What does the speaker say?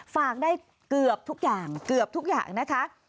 ฝากได้เกือบทุกอย่างเกือบทุกอย่างนะคะ